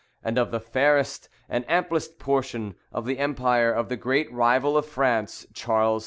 and of the fairest and amplest portion of the empire of the great rival of Francis, Charles V.